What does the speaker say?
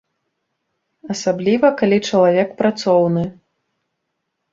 Асабліва калі чалавек працоўны.